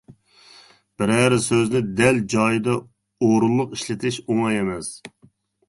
بىرەر سۆزنى دەل جايىدا، ئورۇنلۇق ئىشلىتىش ئوڭاي ئەمەس.